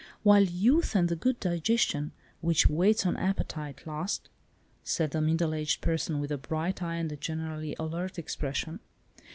"While youth, and the good digestion which waits on appetite, last," said a middle aged person with a bright eye and generally alert expression.